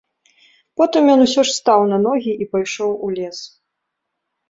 Потым ён усё ж стаў на ногі і пайшоў у лес.